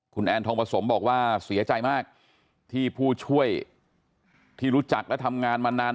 คุณแอนทองผสมบอกว่าเสียใจมากที่ผู้ช่วยที่รู้จักและทำงานมานาน